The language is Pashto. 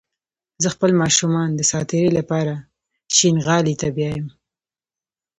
زه خپل ماشومان د ساعتيرى لپاره شينغالي ته بيايم